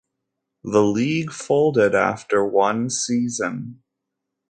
The league folded after one season.